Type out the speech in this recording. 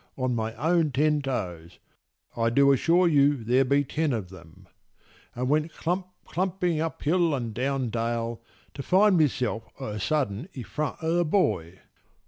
on my own ten toes, (I do assure you there be ten of them), And went clump clumping up hill and down dale To find myself o' the sudden i' front o' the boy.